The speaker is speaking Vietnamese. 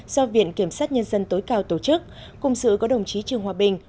do viện kiểm sát nhân dân tối cao tổ chức cùng sự có đồng chí trương hòa bình